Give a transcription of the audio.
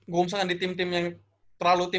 gue misalnya di tim tim yang terlalu tim